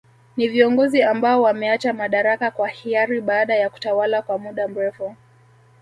Ni viongozi ambao wameacha madaraka kwa hiari baada ya kutawala kwa muda mrefu